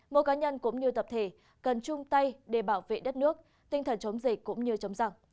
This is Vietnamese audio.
mỗi cá nhân cũng như tập thể cần chung tay để bảo vệ đất nước tinh thần chống dịch cũng như chống giặc